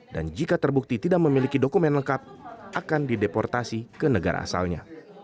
dan jika terbukti tidak memiliki dokumen lengkap akan dideportasi ke negara asalnya